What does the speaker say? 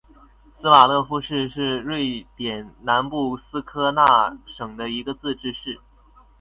斯瓦勒夫市是瑞典南部斯科讷省的一个自治市。